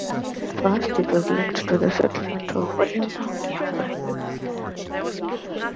At first it was linked to the settlement of Warblington nearby.